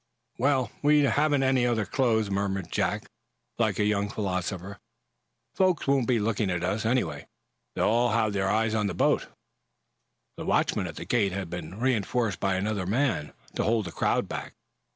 "Well, we haven't any other clothes," murmured Jack, like a young philosopher. "Folks won't be looking at us, anyway. They'll all have their eyes on the boat." The watchman at the gate had been reinforced by another man, to hold the crowd back.